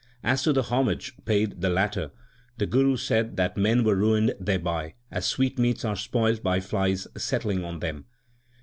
As to the homage paid the latter, the Guru said that men were ruined thereby, as sweetmeats are spoiled by flies settling on them.